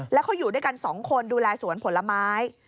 แล้วเขาอยู่ด้วยกัน๒คนดูแลสวนผลไม้